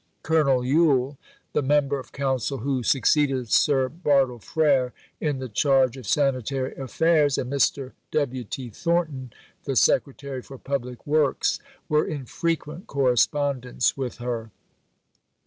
Colonel Yule, the member of Council who succeeded Sir Bartle Frere in the charge of sanitary affairs, and Mr. W. T. Thornton, the Secretary for Public Works, were in frequent correspondence with her.